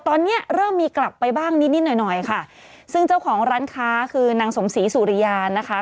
ตอนนี้เริ่มมีกลับไปบ้างนิดนิดหน่อยหน่อยค่ะซึ่งเจ้าของร้านค้าคือนางสมศรีสุริยานะคะ